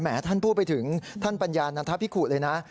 แหมท่านพูดไปถึงท่านปัญญานะครับพี่ขูตเลยนะ